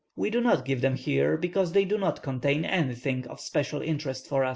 We do not give them here, because they do not contain anything of special interest for us.